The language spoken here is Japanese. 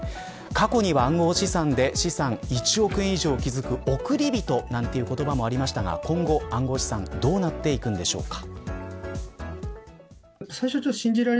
過去には暗号資産で資産１億円以上を築く億り人といわれる言葉もありましたが今後、暗号資産どうなっていくんでしょうか。